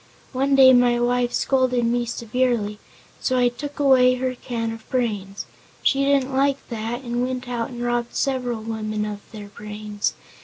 One day my wife scolded me severely, so I took away her can of brains. She didn't like that and went out and robbed several women of their brains.